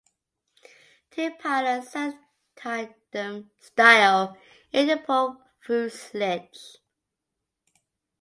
Two pilots sat tandem-style in the port fuselage.